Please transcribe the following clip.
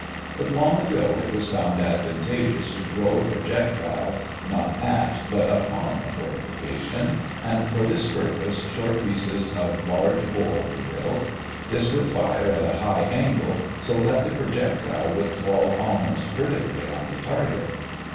But long ago it was found advantageous to throw a projectile not at but upon a fortification, and for this purpose short pieces of large bore were built. These would fire at a high angle, so that the projectile would fall almost vertically on the target.